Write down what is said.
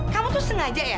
kamu tuh sengaja ya